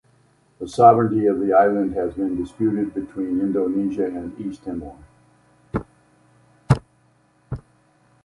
The sovereignty of the island had been disputed between Indonesia and East Timor.